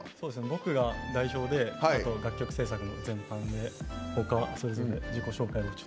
僕が代表で楽曲制作全般でほかは、それぞれ自己紹介を。